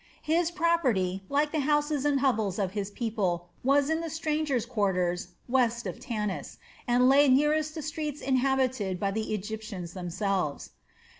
His property, like the houses and hovels of his people, was in the strangers' quarter, west of Tanis, and lay nearest to the streets inhabited by the Egyptians themselves.